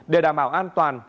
để đảm bảo an toàn